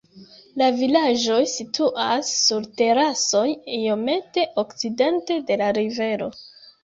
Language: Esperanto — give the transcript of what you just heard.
La vilaĝoj situas sur terasoj iomete okcidente de la rivero.